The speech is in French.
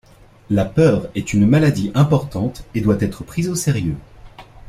La peur est une maladie importante et doit être prise au sérieux.